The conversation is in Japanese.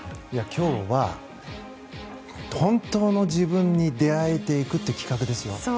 今日は本当の自分に出会えていくという企画ですよ。